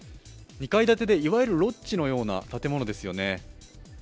２階建てでいわゆるロッジのような建物です。